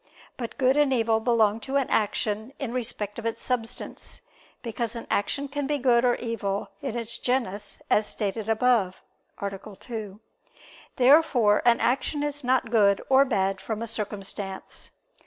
But good and evil belong to an action in respect of its substance; because an action can be good or evil in its genus as stated above (A. 2). Therefore an action is not good or bad from a circumstance.